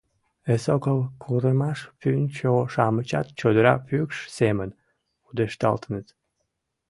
Эсогыл курымаш пӱнчӧ-шамычат чодыра пӱкш семын пудешталтыныт.